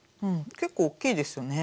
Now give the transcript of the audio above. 結構大きいですよね。